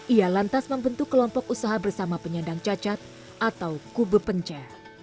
ia lantas membentuk kelompok usaha bersama penyandang cacat atau kube pence